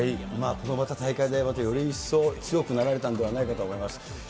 この大会でより一層強くなられたんではないかと思います。